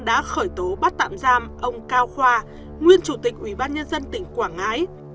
đã khởi tố bắt tạm giam ông cao khoa nguyên chủ tịch ubnd tỉnh quảng ngãi